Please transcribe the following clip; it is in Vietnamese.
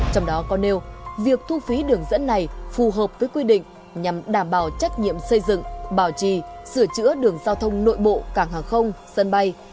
trong đó có nêu việc thu phí đường dẫn này phù hợp với quy định nhằm đảm bảo trách nhiệm xây dựng bảo trì sửa chữa đường giao thông nội bộ cảng hàng không sân bay